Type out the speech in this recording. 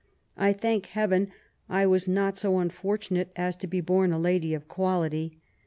I thank Heaven I was not so unfortunate as to be bom a lady of quality.